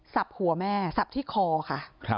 หัวแม่สับที่คอค่ะ